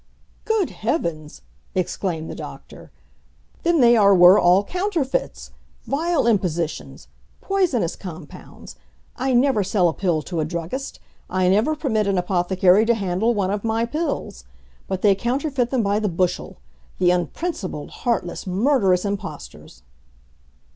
"Good Heavens!" exclaimed the doctor, "then they are were all counterfeits! vile impositions! poisonous compounds! I never sell a pill to a druggist I never permit an apothecary to handle one of my pills. But they counterfeit them by the bushel; the unprincipled, heartless, murderous impostors!"